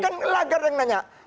kan lagarde yang nanya